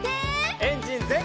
エンジンぜんかい！